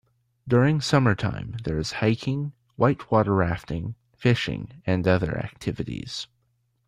During summertime there is hiking, whitewater rafting, fishing, and other activities.